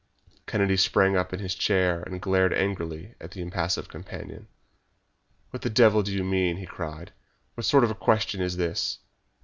Kennedy sprang up in his chair and glared angrily at his impassive companion. "What the devil do you mean?" he cried. "What sort of a question is this?